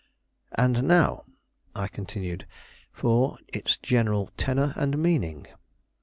"And now," I continued, "for its general tenor and meaning."